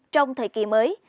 trong thời kỳ mới